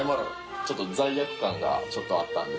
ちょっと罪悪感がちょっとあったんです。